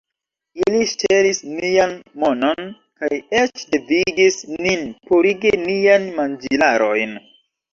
Ili ŝtelis nian monon kaj eĉ devigis nin purigi niajn manĝilarojn